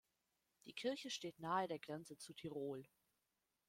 Die Kirche steht nahe der Grenze zu Tirol.